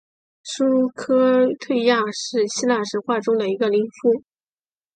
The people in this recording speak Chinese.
琉科忒亚是希腊神话中一个宁芙。